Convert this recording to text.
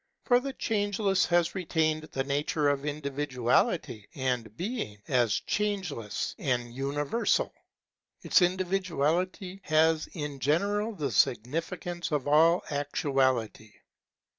For the Changeless has retained the nature of individuality, and being, as changeless, an Universal, its individuality has in general the significance of all actuality.